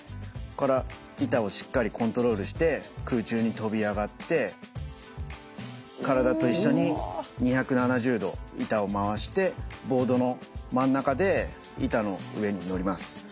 ここから板をしっかりコントロールして空中に跳び上がって体と一緒に２７０度板を回してボードの真ん中で板の上に乗ります。